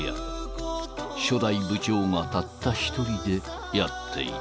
［初代部長がたった一人でやっていた］